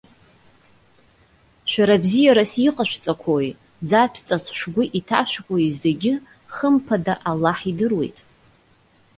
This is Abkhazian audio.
Шәара бзиарас иҟашәҵақәои, ӡатәҵас шәгәы иҭашәкуеи зегьы, хымԥада, Аллаҳ идыруеит.